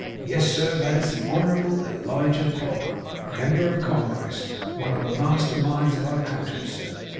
Yes, sir, that is the Honourable Elijah Pogram, Member of Congress; one of the master minds of our country, sir.